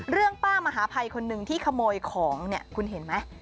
เรื่องป้ามหาภัยคนหนึ่งที่ขโมยของเนี่ยคุณเห็นไหม